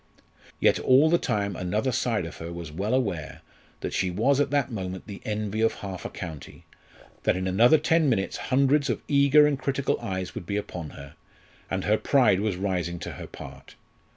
Yet all the time another side of her was well aware that she was at that moment the envy of half a county, that in another ten minutes hundreds of eager and critical eyes would be upon her; and her pride was rising to her part.